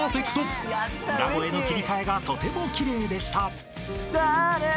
［裏声の切り替えがとても奇麗でした］